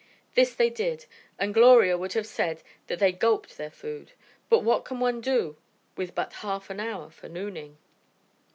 This they did, and Gloria would have said that they gulped their food, but what can one do with but half an hour for nooning?